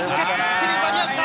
一塁間に合うか？